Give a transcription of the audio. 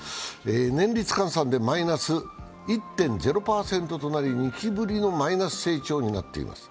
年率換算でマイナス１．０％となり２期ぶりのマイナス成長になっています。